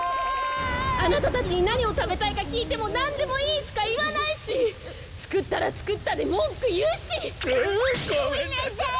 あなたたちになにをたべたいかきいても「なんでもいい」しかいわないしつくったらつくったでもんくいうし！ごめんなさい！